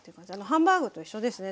ハンバーグと一緒ですね